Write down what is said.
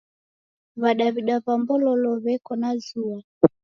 W'adaw'ida wa Mbololo w'eka na zua.